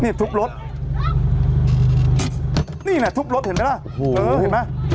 นี่ทุบรถนี่แหละทุบรถเห็นไหมล่ะโอ้โหเออเห็นไหม